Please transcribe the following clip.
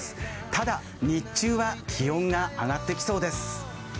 ただ、日中は気温が上がってきそうです。